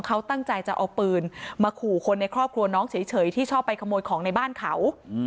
เขาตั้งใจจะเอาปืนมาขู่คนในครอบครัวน้องเฉยที่ชอบไปขโมยของในบ้านเขา